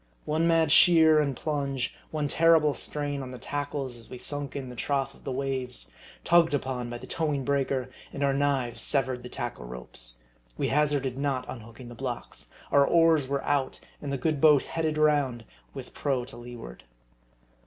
One mad sheer and plunge, one terrible strain on the tackles as we sunk in the trough of the waves, tugged upon by the towing breaker, and our knives severed the tackle ropes we hazarded not unhooking the blocks our oars were out, and the good boat headed round, with prow to leeward.